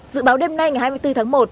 dự báo đêm nay ngày hai mươi bốn tháng một